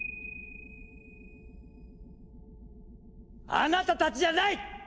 あなたたちじゃない！